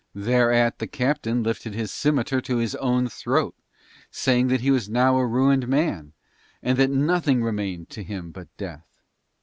Thereat the captain lifted his scimitar to his own throat, saying that he was now a ruined man, and that nothing remained to him but death.